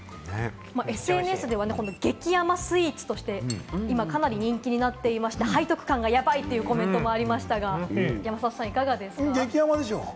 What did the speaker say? ＳＮＳでは激甘スイーツとして、かなり人気になっていまして、背徳感がヤバい！というコメントもありました。